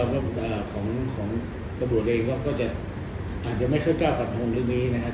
อันนี้ก็ของของกระบวนเองก็จะอาจจะไม่เคลื่อนกล้าสันพงษ์เรื่องนี้นะฮะ